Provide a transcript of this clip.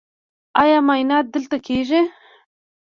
ایا معاینات دلته کیږي؟